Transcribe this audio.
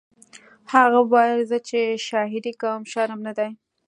هغه به ویل زه چې شاعري کوم شرم نه دی